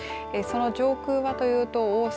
上空はというと、大阪